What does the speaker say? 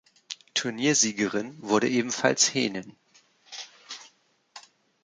Turniersiegerin wurde ebenfalls Henin.